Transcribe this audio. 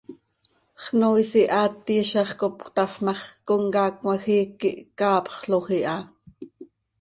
Xnoois ihaat iizax cop cötafp ma x, comcaac cmajiic quih caapxloj iha.